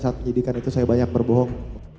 saat penyidikan itu saya banyak berbohong